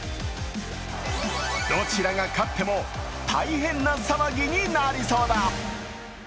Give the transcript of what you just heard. どちらが勝っても、大変な騒ぎになりそうだ。